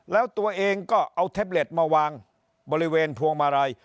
แล้วตัวเองก็เอาเท็บเล็ตมาวางบริเวณพวงมาลัย